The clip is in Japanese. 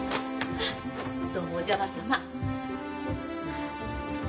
どうもお邪魔さま。